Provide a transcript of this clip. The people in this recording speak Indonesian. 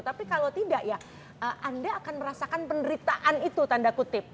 tapi kalau tidak ya anda akan merasakan penderitaan itu tanda kutip